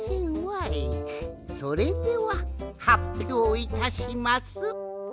それでははっぴょういたします。